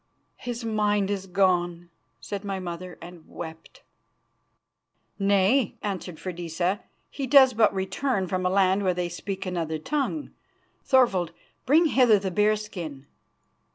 "His mind is gone," said my mother, and wept. "Nay," answered Freydisa, "he does but return from a land where they speak another tongue. Thorvald, bring hither the bear skin."